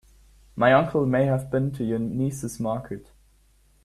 My uncle may have been to your niece's market.